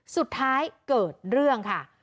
สุดท้ายเกิดเรื่องค่ะ